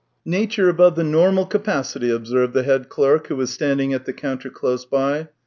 " Nature above the normal capacity," observed the head clerk, who was standing at the counter close by.